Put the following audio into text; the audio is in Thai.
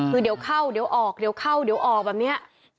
คือเดี๋ยวเข้าเดี๋ยวออกเดี๋ยวเข้าเดี๋ยวออกแบบนี้